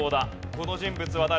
この人物は誰か？